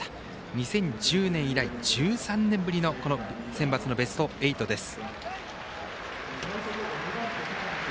２０１０年以来、１３年ぶりのこのセンバツのベスト８です。